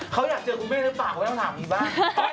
เขาอยากเจอคุณแม่หรือเปล่าไม่ต้องถามอีกบ้าง